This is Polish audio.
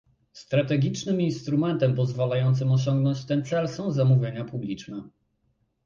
Strategicznym instrumentem pozwalającym osiągnąć ten cel są zamówienia publiczne